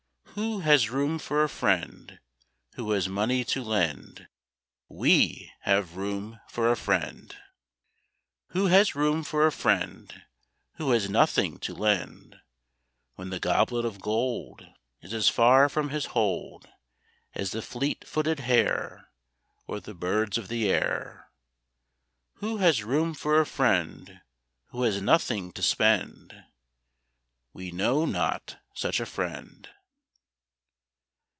Who has room for a friend Who has money to lend? We have room for a friend! Who has room for a friend Who has nothing to lend, When the goblet of gold Is as far from his hold As the fleet footed hare, Or the birds of the air. Who has room for a friend Who has nothing to spend? We know not such a friend.